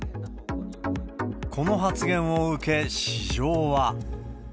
この発言を受け、市場は。